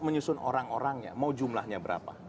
menyusun orang orangnya mau jumlahnya berapa